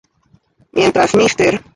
Mientras Mr.